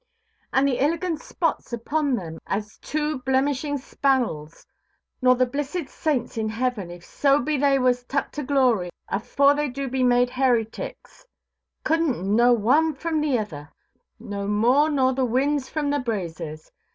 "And the illigant spots upon them, as like as two Blemishing spannels; nor the blissed saints in heaven, if so be they was tuk to glory, afore they do be made hairyticks, cudnʼt know one from the ither, no more nor the winds from the brazes.